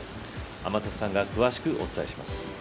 天達さんが詳しくお伝えします。